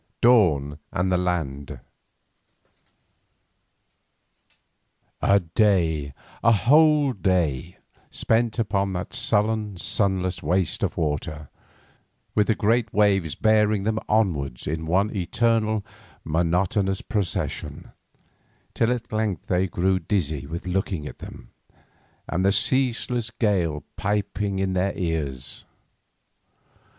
DAWN AND THE LAND A day, a whole day, spent upon that sullen, sunless waste of water, with the great waves bearing them onwards in one eternal, monotonous procession, till at length they grew dizzy with looking at them, and the ceaseless gale piping in their ears.